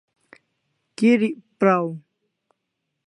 Kirik praw